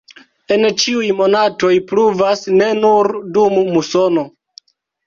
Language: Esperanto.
En ĉiuj monatoj pluvas, ne nur dum musono.